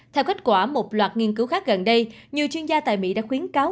theo kết quả một loạt nghiên cứu khác gần đây nhiều chuyên gia tại mỹ đã khuyến cáo